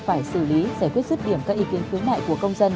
phải xử lý giải quyết dứt điểm các ý kiến khiếu nại của công dân